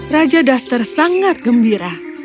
raja duster sangat gembira